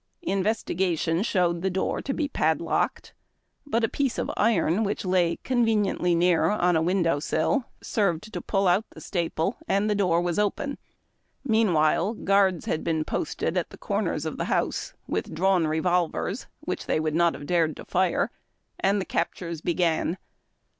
Investigation showed the door to be padlocked, but a piece of iron which lay con veniently near, on a window sill, served to pull out the staple, and the door was open. Meanwhile, guards had been posted at the corners of the house, with drawn revolvers (which they would not have dared to fire), and the captures began.